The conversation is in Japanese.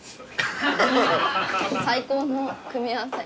最高の組み合わせ。